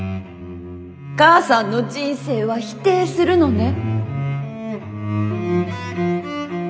母さんの人生は否定するのね。